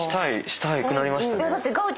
したくなりましたね。